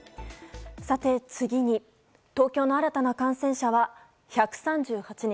次に東京の新たな感染者は１３８人。